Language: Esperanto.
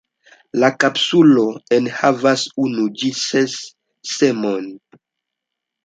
La kapsulo enhavas unu ĝis ses semojn.